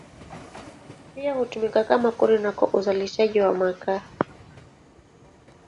Pia hutumika kama kuni na kwa uzalishaji wa makaa.